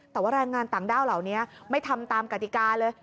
แต่ว่าแรงงานต่างด้าวเหล่านี้ไม่ทำตามกติกาเลย